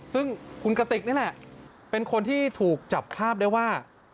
ซึ่งคุณกระติกนี่แหละเป็นคนที่ถูกจับภาพได้ว่า